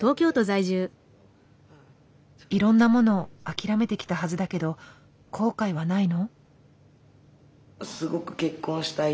いろんなもの諦めてきたはずだけど後悔はないの？